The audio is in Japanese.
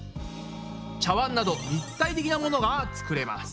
茶わんなど立体的なものが作れます。